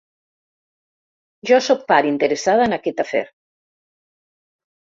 Jo soc part interessada en aquest afer.